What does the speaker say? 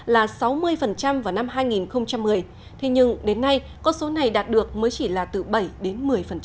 là sáu mươi vào năm hai nghìn một mươi thế nhưng đến nay con số này đạt được mới chỉ là từ bảy đến một mươi